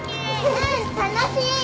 うん楽しい。